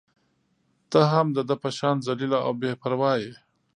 ته هم د ده په شان ذلیله او بې پرواه يې.